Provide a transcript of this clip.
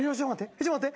ちょっと待って。